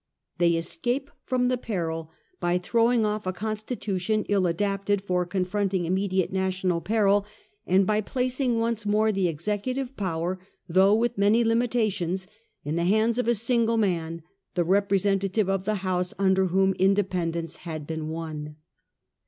They escape from the peril by throwing off a constitution ill adapted for confronting immediate national peril, and by placing once more the executive power, though with many limitations, in the hands of a single man, the representative of the house under whom inde pendence had been won.